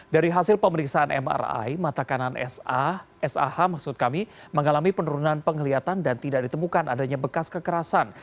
dari hasil pemeriksaan mri mata kanan sah kami mengalami penurunan pengelihatan dan tidak ditemukan adanya bekas kekerasan